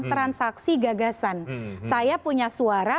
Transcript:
transaksi gagasan saya punya suara